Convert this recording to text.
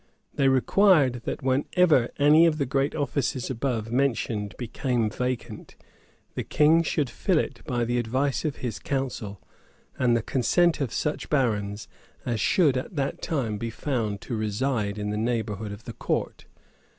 They required, that, whenever any of the great offices above mentioned became vacant, the king should fill it by the advice of his council, and the consent of such barons as should at that time be found to reside in the neighborhood of the court.